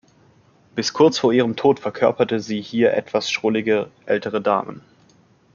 Bis kurz vor ihrem Tod verkörperte sie hier etwas schrullige ältere Damen.